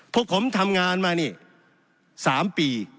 พวกผมทำงานมานี่๓ปี